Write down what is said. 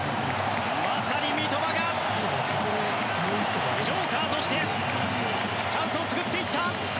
まさに三笘がジョーカーとしてチャンスを作っていった！